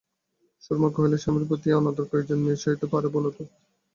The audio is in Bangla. সুরমা কহিল, স্বামীর প্রতি এ অনাদর কয়জন মেয়ে সহিতে পারে বলো তো?